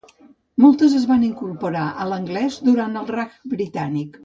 Moltes es van incorporar a l'anglès durant el Raj Britànic.